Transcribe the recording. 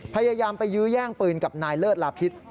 พยายามไปยื้อแย่งปืนกับนายเลิศลาพิษ